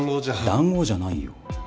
談合じゃないよ。